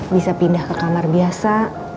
bisa pindah ke kamar biasa